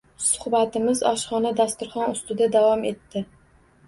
Suhbatimiz shoxona dasturxon ustida davom etdi.